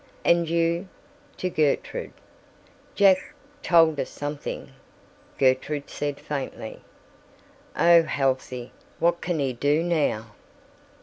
"And you?" to Gertrude. "Jack—told us—something," Gertrude said faintly. "Oh, Halsey, what can he do now?"